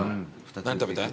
何食べたい？